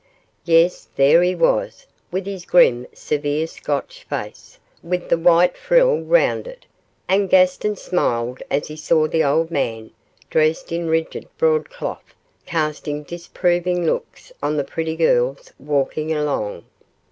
Yes, there he was, with his grim, severe Scotch face, with the white frill round it, and Gaston smiled as he saw the old man, dressed in rigid broadcloth, casting disproving looks on the pretty girls walking along.